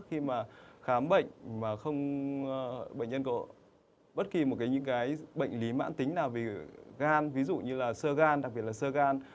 khi mà khám bệnh mà không bệnh nhân có bất kỳ một những cái bệnh lý mãn tính nào về gan ví dụ như là sơ gan đặc biệt là sơ gan